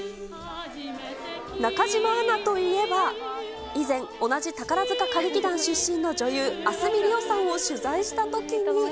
中島アナといえば、以前、同じ宝塚歌劇団出身の女優、明日海りおさんを取材したときに。